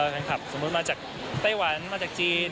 แฟนคลับสมมุติมาจากไต้หวันมาจากจีน